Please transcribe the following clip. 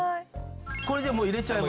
これでもう入れちゃえば。